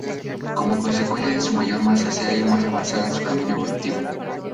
Como consecuencia de su mayor masa, se halla más avanzada en su camino evolutivo.